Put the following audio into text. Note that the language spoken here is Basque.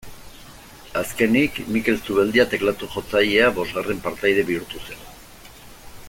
Azkenik, Mikel Zubeldia teklatu jotzailea bosgarren partaide bihurtu zen.